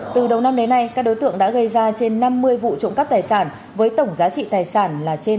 từ đầu năm đến nay các đối tượng đã gây ra trên năm mươi vụ trộm cắp tài sản với tổng giá trị tài sản là trên năm trăm linh triệu đồng